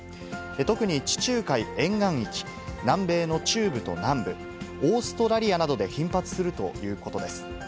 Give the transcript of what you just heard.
特に地中海沿岸域、南米の中部と南部、オーストラリアなどで頻発するということです。